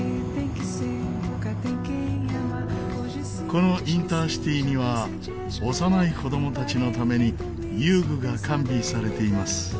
このインターシティには幼い子供たちのために遊具が完備されています。